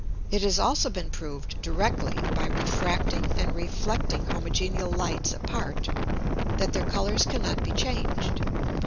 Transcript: It has also been proved directly by refracting and reflecting homogeneal Lights apart, that their Colours cannot be changed, (_Prop.